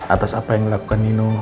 atas apa yang dilakukan nino